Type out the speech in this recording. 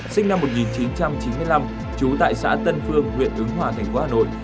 sinh năm một nghìn chín trăm chín mươi năm trú tại xã tân phương huyện ứng hòa thành phố hà nội